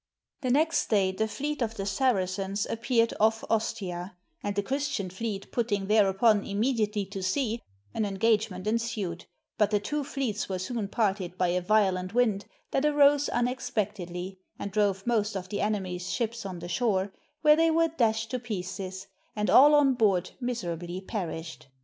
The next day, the fleet of the Saracens appeared off Ostia; and the Christian fleet putting thereupon immediately to sea, an engagement ensued; but the two fleets were soon parted by a violent wind that arose unexpectedly, and drove most of the enemy's ships on the shore, where they were dashed to pieces, and all on board miserably perished.